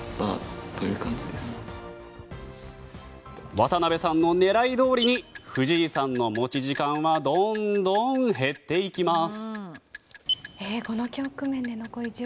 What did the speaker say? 渡辺さんの狙いどおりに藤井さんの持ち時間はどんどん減っていきます。